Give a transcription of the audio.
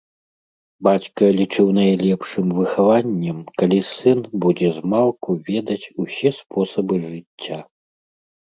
Бацька лічыў найлепшым выхаваннем, калі сын будзе змалку ведаць усе спосабы жыцця.